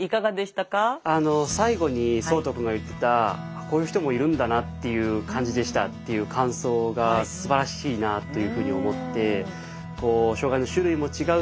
最後に聡人くんが言ってた「こういう人もいるんだなっていう感じでした」っていう感想がすばらしいなというふうに思って。